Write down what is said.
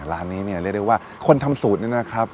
ร้านนี้เนี่ยเรียกได้ว่าคนทำสูตรนี้นะครับ